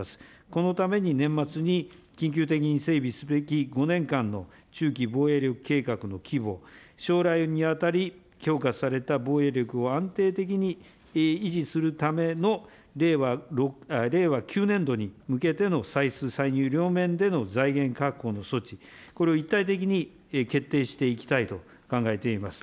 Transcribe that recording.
このために年末に緊急的に整備すべき５年間の中期防衛力計画の規模、将来にわたり強化された防衛力を安定的に維持するための令和９年度に向けての歳出歳入両面での財源確保の措置、これを一体的に決定していきたいと考えています。